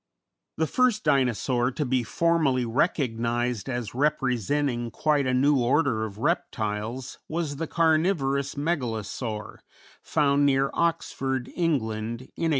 The first Dinosaur to be formally recognized as representing quite a new order of reptiles was the carnivorous Megalosaur, found near Oxford, England, in 1824.